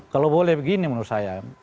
kalau boleh begini menurut saya